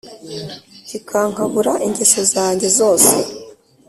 kikankabura ingeso zange zose.